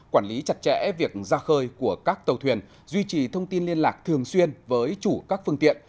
quản lý chặt chẽ việc ra khơi của các tàu thuyền duy trì thông tin liên lạc thường xuyên với chủ các phương tiện